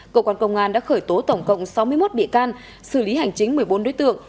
cơ quan công an đã khởi tố tổng cộng sáu mươi một bị can xử lý hành chính một mươi bốn đối tượng